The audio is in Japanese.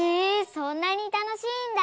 そんなにたのしいんだ。